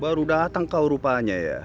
baru datang kau rupanya ya